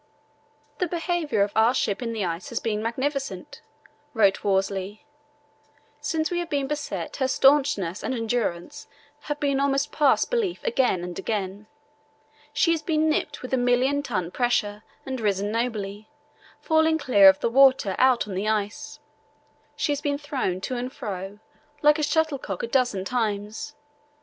"The behaviour of our ship in the ice has been magnificent," wrote Worsley. "Since we have been beset her staunchness and endurance have been almost past belief again and again. She has been nipped with a million ton pressure and risen nobly, falling clear of the water out on the ice. She has been thrown to and fro like a shuttlecock a dozen times.